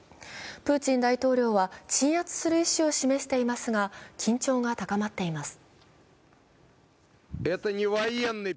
プーチン大統領は鎮圧する意思を示していますが緊張が高まっています。